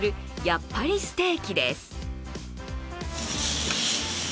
やっぱりステーキです。